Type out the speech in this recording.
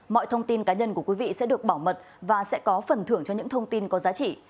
mọi thông tin cá nhân của quý vị sẽ được bảo mật và sẽ có phần thưởng cho những thông tin có giá trị